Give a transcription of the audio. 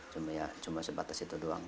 cuma ya cuma sebatas itu doang